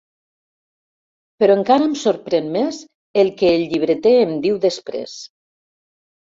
Però encara em sorprèn més el que el llibreter em diu després.